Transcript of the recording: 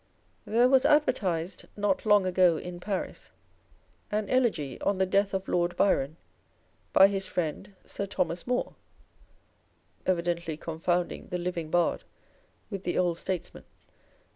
There was advertised not long ago in Paris an Elegy on the Death of Lord Byron, by his friend Sir Thomas More, â€" evidently confounding the living bard with the old statesman.